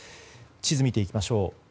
地図を見ていきましょう。